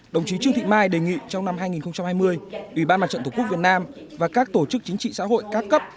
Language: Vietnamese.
đồng chí trương thị mai đề nghị trong năm hai nghìn hai mươi ủy ban mặt trận tổ quốc việt nam và các tổ chức chính trị xã hội các cấp